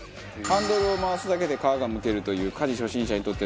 ハンドルを回すだけで皮がむけるという家事初心者にとっての神商品。